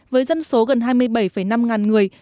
với dân số gần hai mươi bảy năm ngàn người